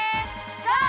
ゴー！